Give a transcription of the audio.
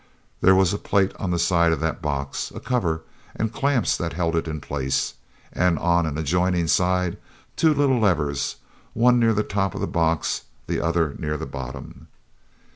There was a plate on the side of that box, a cover, and clamps that held it in place, and on an adjoining side two little levers, one near the top of the box, the other near the bottom.